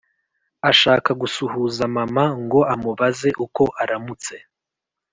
ashaka gusuhuza mama ngo amubaze uko aramutse.